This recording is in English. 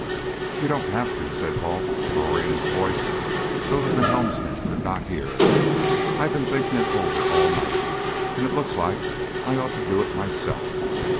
"You don't have to," said Balt, lowering his voice so that the helmsmen could not hear. "I've been thinking it over all night, and it looks like I'd ought to do it myself.